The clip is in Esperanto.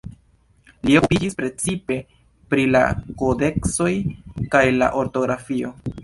Li okupiĝis precipe pri la kodeksoj kaj la ortografio.